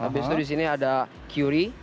habis itu di sini ada curi